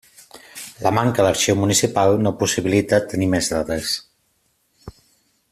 La manca d'arxiu municipal no possibilita tenir més dades.